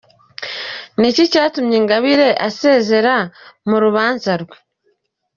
Ni iki cyatumye Ingabire asezera mu rubanza rwe ?.